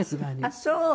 あっそう。